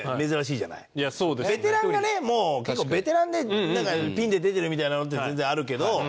ベテランがねもう結構ベテランでピンで出てるみたいなのって全然あるけど。